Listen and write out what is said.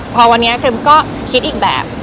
พอวันนี้คริมก็คิดอีกแบบ